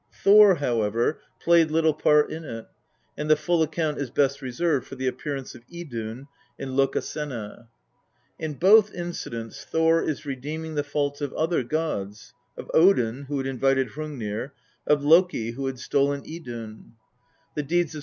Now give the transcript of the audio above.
Thor, however, XLVIII THE POETIC EDDA. played little part in it, and the full account is best reserved for the appearance of Idun, in Lokasenna. In both incidents Thor is redeeming the faults of other gods of Odin, who had invited Hrungnir ; of Loki, who had stolen Idun. The deeds of st.